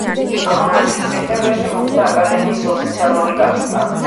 ამავე წლის სექტემბერში მოხდა აკადემიის ოფიციალური გახსნა.